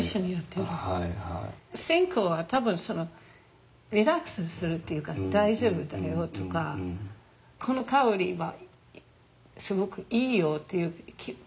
線香は多分そのリラックスするっていうか大丈夫だよとかこの香りはすごくいいよっていう自分のためになる。